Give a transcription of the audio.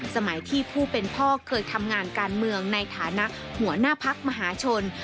สมัยที่ผู้เป็นพ่อเคยทำงานการเมืองในฐานะหัวหน้าพักมหาชน